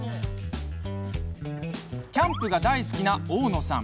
キャンプが大好きな大野さん。